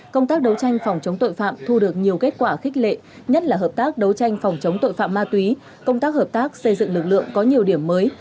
công tác đấu tranh phòng chống tội phạm thu được nhiều kết quả khích lệ nhất là hợp tác đấu tranh phòng chống tội phạm ma túy công tác hợp tác xây dựng lực lượng có nhiều điểm mới